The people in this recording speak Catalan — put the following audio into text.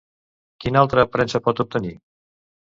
Quina altra aparença pot obtenir?